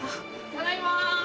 ただいま。